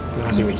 terima kasih buci